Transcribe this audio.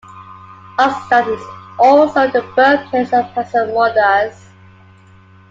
Ardestan is also the birthplace of Hassan Modarres.